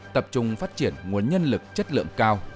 tập trung phát triển nguồn nhân lực chất lượng cao